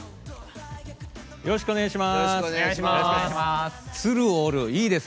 よろしくお願いします。